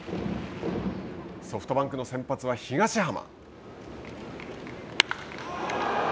ソフトバンクの先発は東浜。